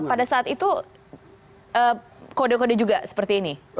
pada saat itu kode kode juga seperti ini